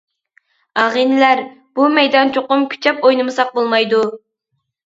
-ئاغىنىلەر، بۇ مەيدان چوقۇم كۈچەپ ئوينىمىساق بولمايدۇ.